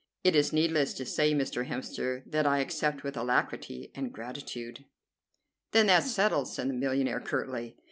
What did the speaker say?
It is needless to say, Mr. Hemster, that I accept with alacrity and gratitude." "Then that's settled," said the millionaire curtly.